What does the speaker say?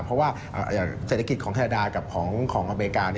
เพราะว่าเศรษฐกิจของอเมริกากับเศรษฐกิจของอเมริกา